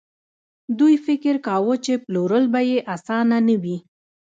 دوی فکر کاوه چې پلورل به يې اسانه نه وي.